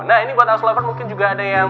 nah ini buat aslover mungkin juga ada yang